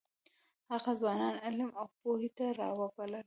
هغه ځوانان علم او پوهې ته راوبلل.